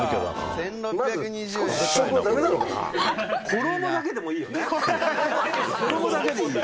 「衣だけでいいよ」